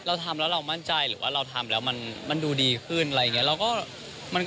เราทำแล้วเรามั่นใจหรือว่าเราทำแล้วมันดูดีขึ้นอะไรอย่างนี้